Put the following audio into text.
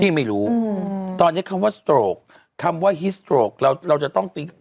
ไม่รู้อืมตอนนี้คำว่าสโตรกคำว่าฮิสโตรกเราเราจะต้องติ๊ก